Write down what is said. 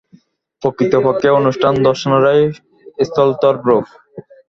প্রকৃতপক্ষে অনুষ্ঠান দর্শনেরই স্থূলতর রূপ।